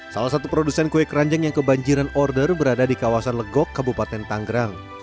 salah satu produsen kue keranjang yang kebanjiran order berada di kawasan legok kabupaten tanggerang